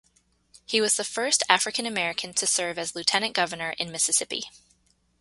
He was the first African American to serves as Lieutenant Governor in Mississippi.